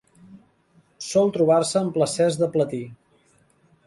Sol trobar-se en placers de platí.